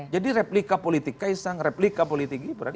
jadi replika politik kaisang replika politik gibran